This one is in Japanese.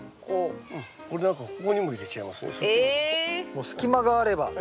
もう隙間があれば。